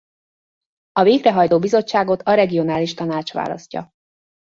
A végrehajtó bizottságot a regionális tanács választja.